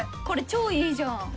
これ超いいじゃん。